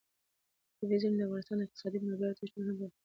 طبیعي زیرمې د افغانستان د اقتصادي منابعو ارزښت نور هم په پوره توګه زیاتوي.